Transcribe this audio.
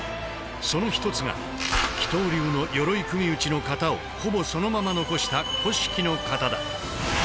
その一つが起倒流の鎧組討の形をほぼそのまま残した古式の形だ。